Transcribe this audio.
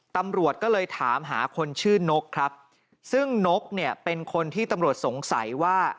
ตำรวจก็เลยถามหาคนชื่อนกครับซึ่งนกเนี่ยเป็นคนที่ตำรวจสงสัยว่า